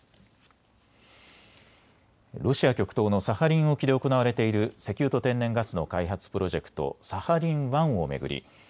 ロシア極東のサハリン沖で行われている石油と天然ガスの開発プロジェクト、サハリン１を巡り